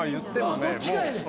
どっちかやねん。